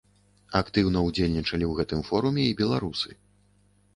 Актыўна ўдзельнічалі ў гэтым форуме і беларусы.